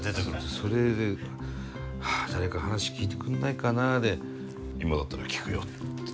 それで「はあ誰か話聞いてくんないかな」で「今だったら聞くよ」ってね